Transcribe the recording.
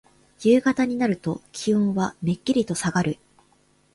夕方になると気温はめっきりとさがる。